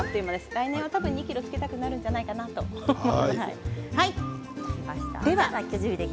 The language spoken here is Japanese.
来年は２ｋｇ漬けたくなるんじゃないかなと思います。